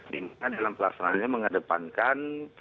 diinginkan dalam pelaksanaannya mengedepankan